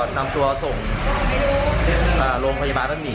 นำตัวส่งโรงพยาบาลน่ะมี